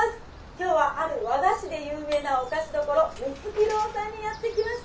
今日はある和菓子で有名なお菓子どころ緑月堂さんにやって来ました。